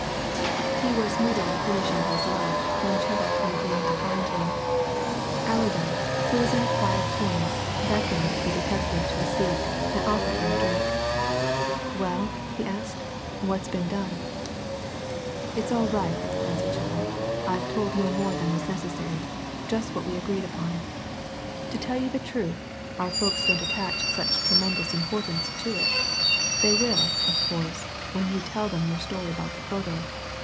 He was moodily finishing his lunch when Chettle came in to find him. Allerdyke, who was in a quiet corner, beckoned the detective to a seat, and offered him a drink. "Well?" he asked. "What's been done?" "It's all right," answered Chettle. "I've told no more than was necessary just what we agreed upon. To tell you the truth, our folks don't attach such tremendous importance to it they will, of course, when you tell them your story about the photo.